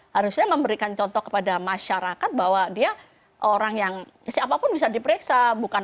harusnya memberikan contoh kepada masyarakat bahwa dia orang yang siapapun bisa diperiksa